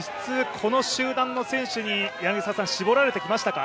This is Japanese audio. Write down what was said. この集団の選手に絞られてきましたか？